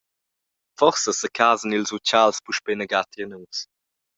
Forsa secasan ils utschals puspei inaga tier nus.